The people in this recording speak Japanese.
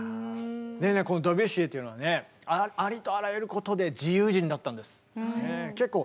でねこのドビュッシーというのはねありとあらゆることで自由人だったんです。